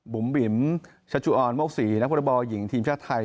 บุ๋มบิ๋มชัชจุออนโมกศรีนักวอลบอลหญิงทีมชาติไทย